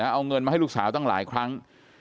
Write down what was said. เอาเงินมาให้ลูกสาวตั้งหลายครั้ง